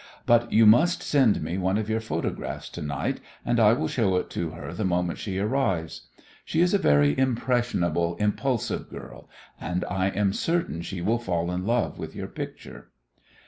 But you must send me one of your photographs to night, and I will show it to her the moment she arrives. She is a very impressionable, impulsive girl, and I am certain she will fall in love with your picture."